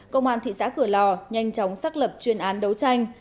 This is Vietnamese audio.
công an thị xã cửa lò nhanh chóng xác lập chuyên án đấu tranh